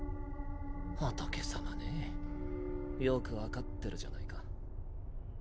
仏様ね。よく分かってるじゃないか。